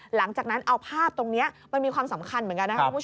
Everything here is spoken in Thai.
หลังจากนั้นเอาภาพตรงนี้มันมีความสำคัญเหมือนกันนะครับคุณผู้ชม